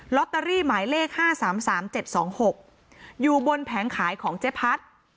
ลอตเตอรี่หมายเลขห้าสามสามเจ็บสองหกอยู่บนแผงขายของเจ๊พัด